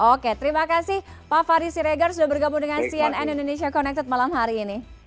oke terima kasih pak fari siregar sudah bergabung dengan cnn indonesia connected malam hari ini